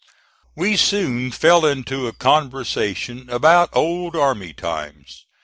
We soon fell into a conversation about old army times.